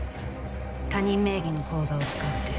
他人名義の口座を使って